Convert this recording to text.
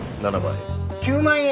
９万円。